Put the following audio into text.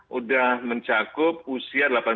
sudah mencakup usia delapan belas